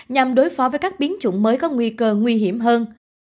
nhằm đối phó với các biến chủng mới có nguy cơ nguy hiểm hơn